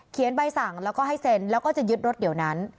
ใบสั่งแล้วก็ให้เซ็นแล้วก็จะยึดรถเดี๋ยวนั้น